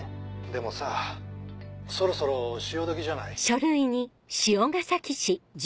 でもさそろそろ潮時じゃない？